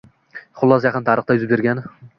Xullas, yaqin tarixda yuz bergan